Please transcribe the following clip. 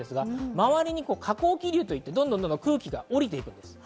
周りに下降気流といってどんどん空気が降りていきます。